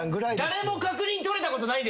誰も確認取れたことない。